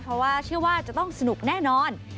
เพราะว่าเชื่อว่าจะต้องสนุกแน่นอน